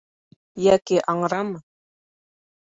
Йәки аңрамы?